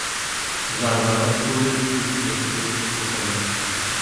زرورق دور یک قطعه شکلات